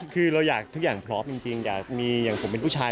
คือเราอยากทุกอย่างพร้อมจริงอยากมีอย่างผมเป็นผู้ชาย